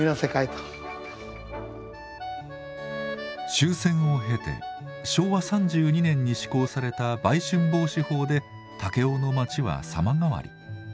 終戦を経て昭和３２年に施行された売春防止法で武雄の街は様変わり。